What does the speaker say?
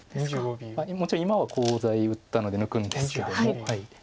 もちろん今はコウ材打ったので抜くんですけども。